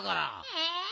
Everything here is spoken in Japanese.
え！